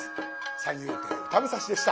三遊亭歌武蔵でした。